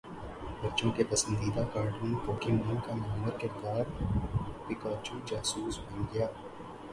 بچوں کے پسندیدہ کارٹون پوکیمون کا نامور کردار پکاچو جاسوس بن گیا